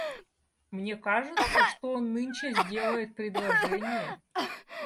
Мне кажется, что он нынче сделает предложение.